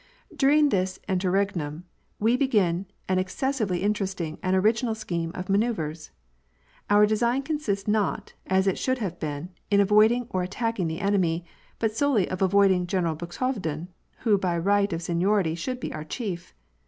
During this interregnum, we begin an excessively interesting and orig^ inal scheme of manoeuvres. Our design consists not, as it should have been, in avoiding or attacking tlie enemy, but solely of avoiding General Buxhovden, who by right of seniority should be our chief.